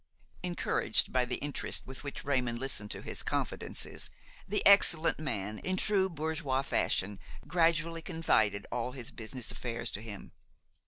Encouraged by the interest with which Raymon listened to his confidences, the excellent man, in true bourgeois fashion, gradually confided all his business affairs to him.